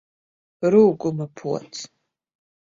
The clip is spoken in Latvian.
Rūguma pods!